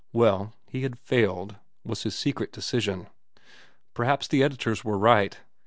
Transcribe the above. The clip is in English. Well, he had failed, was his secret decision. Perhaps the editors were right.